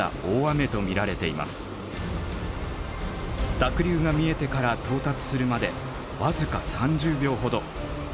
濁流が見えてから到達するまで僅か３０秒ほど。